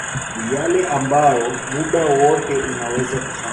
ni yale ambayo muda wote unaweza kufanya